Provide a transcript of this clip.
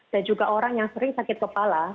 dan juga orang yang sering sakit kepala